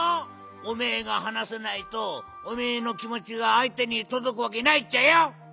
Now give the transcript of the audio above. おめえがはなさないとおめえのきもちがあいてにとどくわけないっちゃよ。